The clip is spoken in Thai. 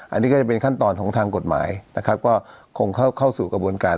อันนี้ก็จะเป็นขั้นตอนของทางกฎหมายนะครับก็คงเข้าสู่กระบวนการ